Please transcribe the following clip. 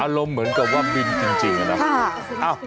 อารมณ์เหมือนกับว่าบินจริงนะ